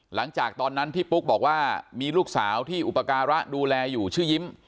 หลังจากนั้นที่ปุ๊กบอกว่ามีลูกสาวที่อุปการะดูแลอยู่ชื่อยิ้ม